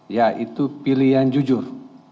yaitu pilihan jujur